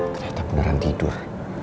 ternyata beneran tidur